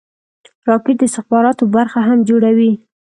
راکټ د استخباراتو برخه هم جوړوي